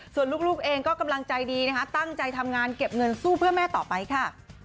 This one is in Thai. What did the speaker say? ส่วนลูกเองก็กำลังใจดีนะคะตั้งใจทำงานเก็บเงินสู้เพื่อแม่ต่อไปค่ะ